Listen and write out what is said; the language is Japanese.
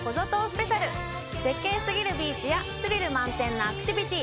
スペシャル絶景すぎるビーチやスリル満点なアクティビティ